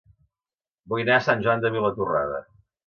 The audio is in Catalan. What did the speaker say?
Vull anar a Sant Joan de Vilatorrada